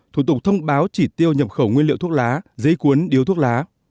thủ tục thông báo chỉ tiêu nhập khẩu nguyên liệu thuốc lá giấy cuốn điếu thuốc lá